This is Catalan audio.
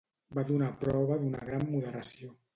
Va donar prova d'una gran moderació.